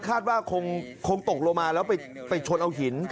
คาดว่าคงตกลงมาแล้วไปชนเอาหิน